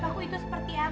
tapi aku gak siap satria